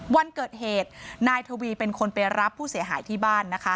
วันเกิดเหตุนายทวีเป็นคนไปรับผู้เสียหายที่บ้านนะคะ